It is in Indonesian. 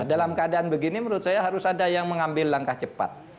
dalam keadaan begini menurut saya harus ada yang mengambil langkah cepat